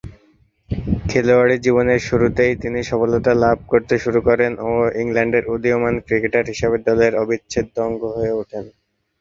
খেলোয়াড়ী জীবনের শুরুতেই তিনি সফলতা লাভ করতে শুরু করেন ও ইংল্যান্ডের উদীয়মান ক্রিকেটার হিসেবে দলের অবিচ্ছেদ্য অঙ্গ হয়ে উঠেন।